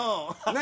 何？